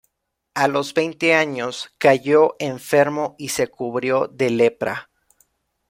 A los veinte años cayó enfermo y se cubrió de lepra.